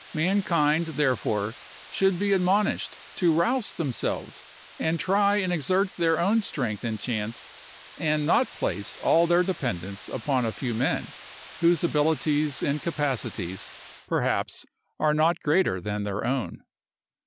Mankind, therefore, should be admonished to rouse themselves, and try and exert their own strength and chance, and not place all their dependence upon a few men, whose abilities and capacities, perhaps, are not greater than their own.